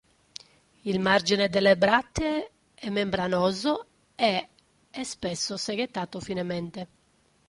Il margine delle brattee è membranoso e è spesso seghettato finemente.